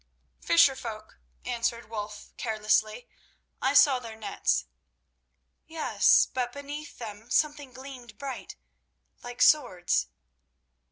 "Fisher folk," answered Wulf carelessly. "I saw their nets." "Yes; but beneath them something gleamed bright, like swords."